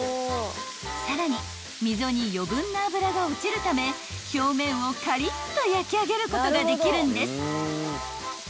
［さらに溝に余分な脂が落ちるため表面をカリッと焼きあげることができるんです］